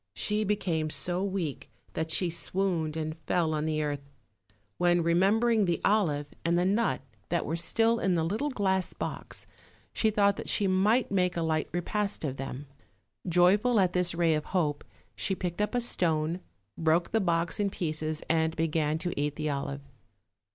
She became so weak that she swooned and fell on the earth; when remembering the olive and the 206 OLD, OLD FAIRY TALES, nut that were still in the little glass box, she thought that she might make a light repast of them. Joyful at this ray of hope, she picked up a stone, broke the box in pieces and began to eat the olive.